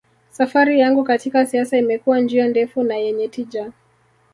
Safari yangu katika siasa imekuwa njia ndefu na yenye tija